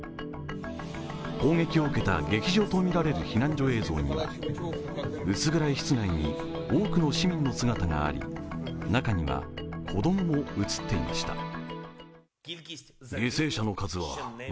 攻撃を受けた劇場とみられる避難所映像には薄暗い室内に多くの市民の姿があり中には子供も映っていました。